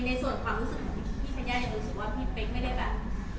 ยังรู้สึกว่าพี่เป๊กไม่ได้แบบ